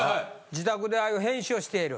自宅でああいう編集をしている。